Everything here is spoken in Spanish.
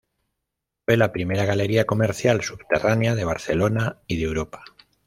Fue la primera galería comercial subterránea de Barcelona y de Europa.